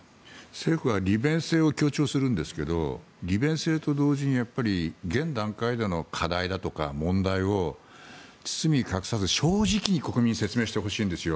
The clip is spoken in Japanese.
政府は利便性を強調するんですけど利便性と同時に現段階での課題だとか問題を包み隠さず国民に正直に話してほしいんです。